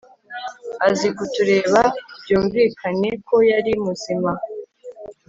aza kutureba byumvikane ko yari muzima